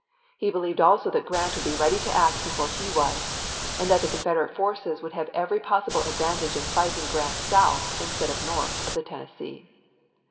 He believed also that Grant would be ready to act before he was, and that the Confederate forces would have every possible advantage in fighting Grant south instead of north of the Tennessee.